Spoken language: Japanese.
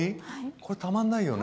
これたまんないよね。